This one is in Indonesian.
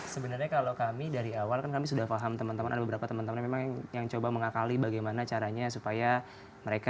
sebenarnya kalau kami dari awal kan kami sudah paham teman teman ada beberapa teman teman memang yang coba mengakali bagaimana caranya supaya mereka